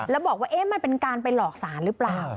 แล้วบอกว่ามันเป็นการไปหลอกสารหรือเปล่า